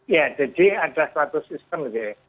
ya jadi ada suatu sistem